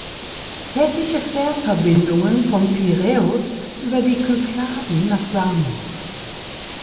Tägliche Fährverbindungen von Piräus über die Kykladen nach Samos.